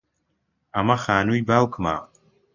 ئەمە خانووی باوکمە.